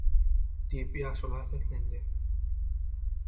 diýip ýaşula seslendi.